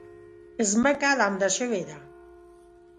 ځمکه لمده شوې ده